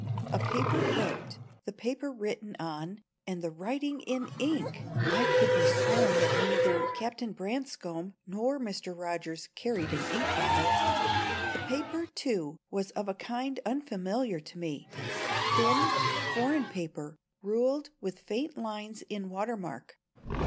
A paper boat the paper written on and the writing in ink! I could be sworn that neither Captain Branscome nor Mr. Rogers carried an inkbottle. The paper, too, was of a kind unfamiliar to me; thin, foreign paper, ruled with faint lines in watermark.